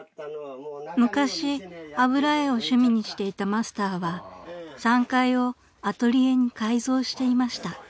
［昔油絵を趣味にしていたマスターは３階をアトリエに改造していました］